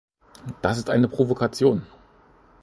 Das ist eine Provokation.